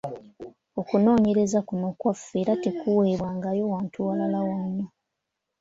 Okunoonyereza kuno kwaffe era tekuweebwangayo wantu walala wonna.